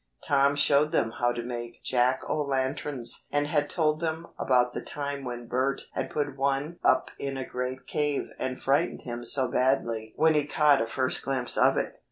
Tom showed them how to make jack o' lanterns and told them about the time when Bert had put one up in a great cave and frightened him so badly when he caught a first glimpse of it.